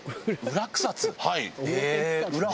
「裏草津」。